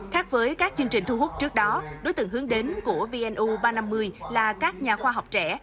khác với các chương trình thu hút trước đó đối tượng hướng đến của vnu ba trăm năm mươi là các nhà khoa học trẻ